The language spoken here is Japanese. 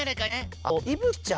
あのいぶきちゃん。